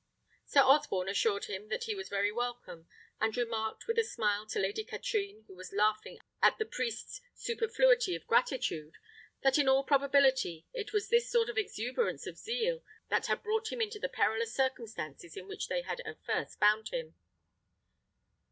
Sir Osborne assured him that he was very welcome; and remarked, with a smile, to Lady Katrine, who was laughing at the priest's superfluity of gratitude, that in all probability it was this sort of exuberance of zeal that had brought him into the perilous circumstances in which they had at first found him.